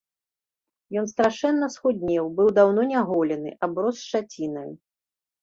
Ён страшэнна схуднеў, быў даўно няголены, аброс шчацінаю.